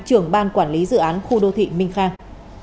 trưởng ban quản lý dự án khu đô thị minh khang